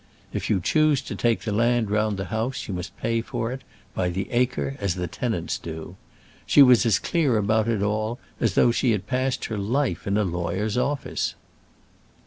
If you choose to take the land round the house you must pay for it, by the acre, as the tenants do. She was as clear about it all as though she had passed her life in a lawyer's office."